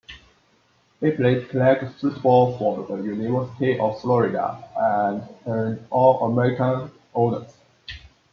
He played college football for the University of Florida, and earned All-American honors.